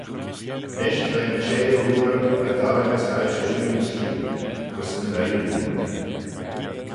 Nish veih'n çheyoo oor, va dorraghys harrish ooilley'n çheer, gys yn nuyoo oor.